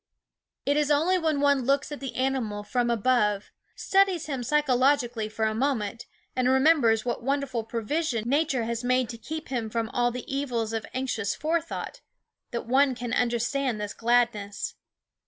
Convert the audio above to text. It is only when one looks at the animal from above, studies him psychologically for a moment, and remembers what wonderful provision Nature has made to keep him from all the evils of anxious forethought, that one can understand this gladness.